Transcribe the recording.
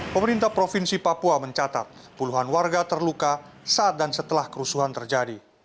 pemerintah provinsi papua mencatat puluhan warga terluka saat dan setelah kerusuhan terjadi